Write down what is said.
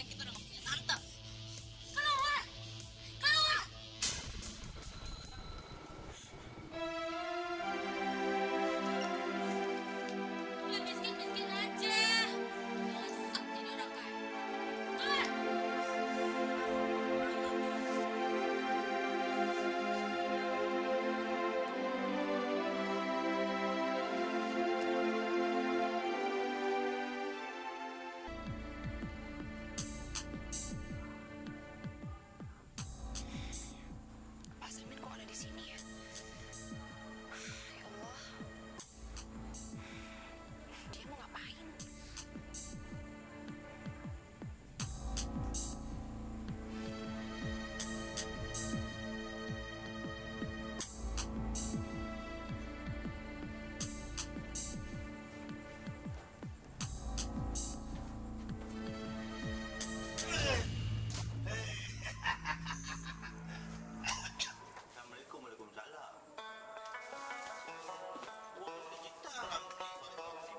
aku gak mungkin menikah dengan orang yang gak aku cintai